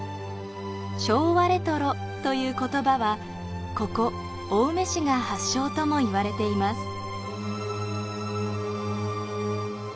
「昭和レトロ」という言葉は、ここ青梅市が発祥とも言われています。